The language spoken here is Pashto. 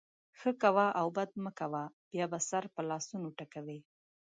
ښه کوه او بد مه کوه؛ بیا به سر په لاسونو ټکوې.